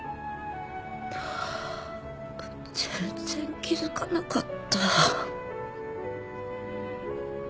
全然気づかなかった。